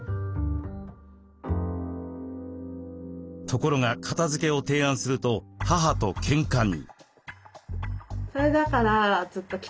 ところが片づけを提案すると母とけんかに。